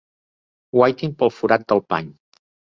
Guaitin pel forat del pany.